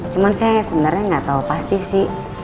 cuman saya sebenarnya gak tahu pasti sih